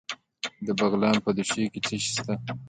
د بغلان په دوشي کې څه شی شته؟